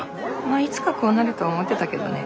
まあいつかこうなるとは思ってたけどね。